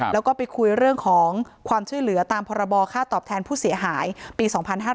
แล้วก็ไปคุยเรื่องของความช่วยเหลือตามพรบค่าตอบแทนผู้เสียหายปี๒๕๕๙